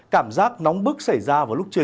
cảm giác nóng bức xảy ra